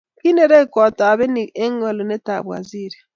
kinerekyo tobenik eng wolutyetab waziri